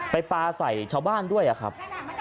ปลาใส่ชาวบ้านด้วยครับ